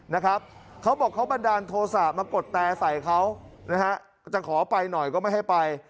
นะครับเขาบอกเขาบันดาลโทรศาสตร์มากดแปดใส่เขาจะขอไปหน่อยก็ไม่ให้ไป